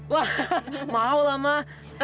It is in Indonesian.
wah maulah mah